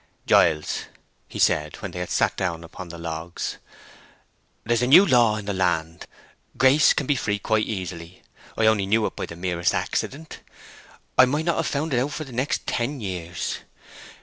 "Giles," he said, when they had sat down upon the logs, "there's a new law in the land! Grace can be free quite easily. I only knew it by the merest accident. I might not have found it out for the next ten years.